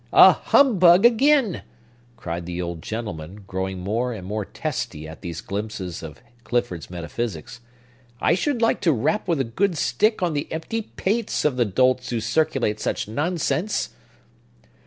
"A humbug, again!" cried the old gentleman, growing more and more testy at these glimpses of Clifford's metaphysics. "I should like to rap with a good stick on the empty pates of the dolts who circulate such nonsense!"